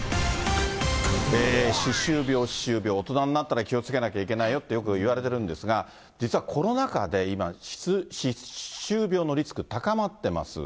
歯周病、大人になったら気をつけないといけないよって、よくいわれてるんですが、実はコロナ禍で今、歯周病のリスク、高まってます。